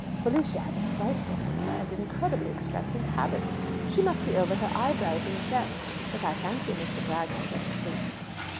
Felicia has a frightful temper, and incredibly extravagant habits. She must be over her eyebrows in debt. But I fancy Mr. Bragg has better taste."